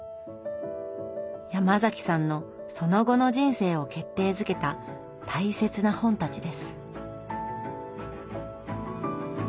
ヤマザキさんのその後の人生を決定づけた大切な本たちです。